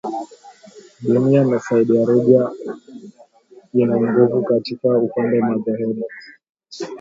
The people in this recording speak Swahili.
duniani na Saudi Arabia yenye nguvu katika upande madhehebu